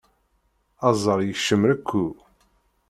Aẓar yekcem rekku.